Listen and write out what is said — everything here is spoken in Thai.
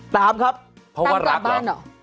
ตามครับเพราะว่ารักเหรอ